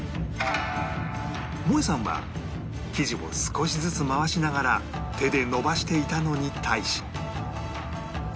もえさんは生地を少しずつ回しながら手でのばしていたのに対し